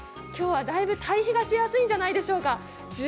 今日はだいぶ対比がしやすいんじゃないでしょうか。